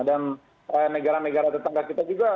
dan negara negara tetangga kita juga